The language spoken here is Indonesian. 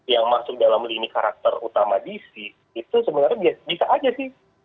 yang masuk dalam lini karakter utama dc itu sebenarnya bisa aja sih